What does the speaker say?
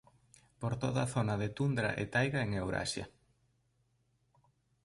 Por toda a zona de tundra e taiga en Eurasia.